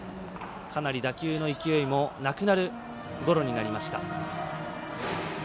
かなり打球の勢いもなくなるゴロになりました。